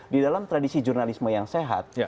di dalam tradisi jurnalisme yang sehat